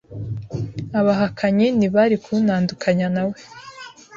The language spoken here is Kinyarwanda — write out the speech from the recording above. Abahakanyi ntibari kuntandukanya nawe